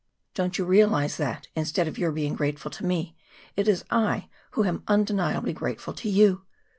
"Don't you realize that, instead of your being grateful to me, it is I who am undeniably grateful to you?